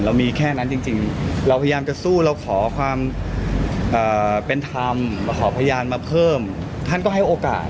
มีแค่นั้นจริงเราพยายามจะสู้เราขอความเป็นธรรมขอพยานมาเพิ่มท่านก็ให้โอกาส